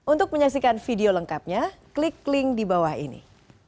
untuk menyaksikan video lengkapnya klik link di bawah ini